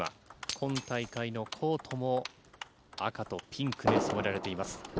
今大会のコートも赤とピンクに染められています。